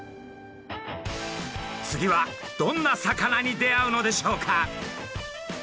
次はどんな魚に出会うのでしょうか？